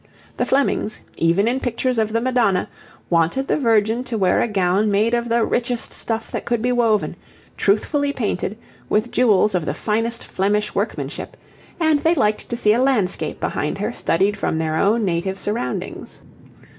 The Flemings, even in pictures of the Madonna, wanted the Virgin to wear a gown made of the richest stuff that could be woven, truthfully painted, with jewels of the finest Flemish workmanship, and they liked to see a landscape behind her studied from their own native surroundings.